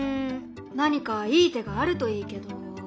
何かいい手があるといいけど。